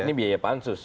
ini biaya pansus